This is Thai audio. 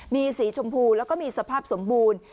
มีสีชมพูแล้วก็มีสภาพสมบูรณ์